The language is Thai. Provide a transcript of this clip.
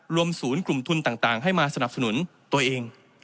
รวมศูนย์กลุ่มทุนต่างให้มาสนับสนุนตัวเอง